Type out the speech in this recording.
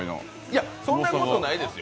いや、そんなことないですよ